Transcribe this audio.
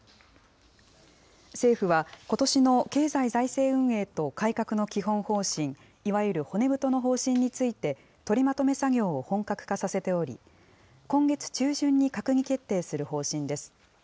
政府は、ことしの経済財政運営と改革の基本方針、いわゆる骨太の方針について、取りまとめ作業を本格化させており、今月中旬に閣議決定する方針です。